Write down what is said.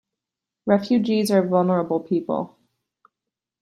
Refugees are vulnerable people.